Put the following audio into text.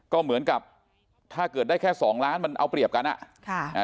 ก็เหมือนกับถ้าเกิดได้แค่สองล้านมันเอาเปรียบกันอ่ะค่ะอ่า